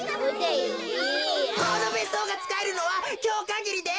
このべっそうがつかえるのはきょうかぎりです！